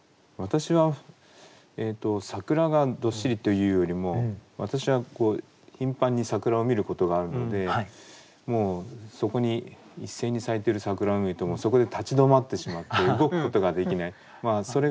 私は桜がどっしりというよりも私は頻繁に桜を見ることがあるのでもうそこに一斉に咲いてる桜を見るとそこで立ち止まってしまって動くことができない。